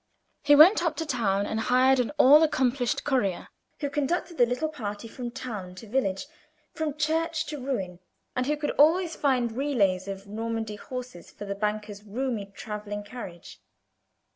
He went up to town and hired an all accomplished courier, who conducted the little party from town to village, from church to ruin, and who could always find relays of Normandy horses for the banker's roomy travelling carriage.